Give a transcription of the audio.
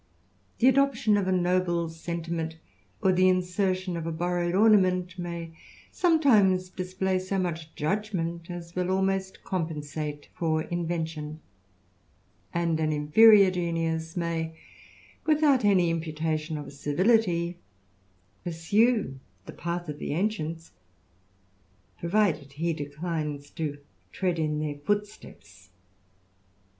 The adoption of a noble iment, or the insertion of a borrowed ornament, may etimes display so much judgment as will ahnost corn sate for invention : and an inferior genius may, without imputation of servility, pursue the path of the ancients, ^ided he declines to tread in their footsteps.